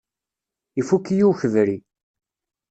Ifukk-iyi ukebri.